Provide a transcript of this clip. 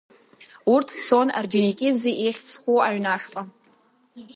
Урҭ цон Орџьоникиӡе ихьӡ зху аҩны ашҟа.